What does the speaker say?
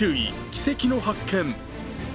９位、奇跡の発見。